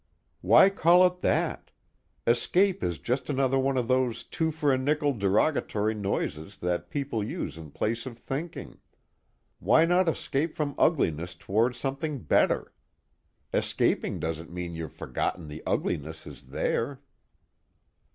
"Why call it that? 'Escape' is just another one of those two for a nickel derogatory noises that people use in place of thinking. Why not escape from ugliness toward something better? Escaping doesn't mean you've forgotten the ugliness is there."